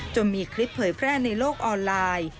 มีคลิปเผยแพร่ในโลกออนไลน์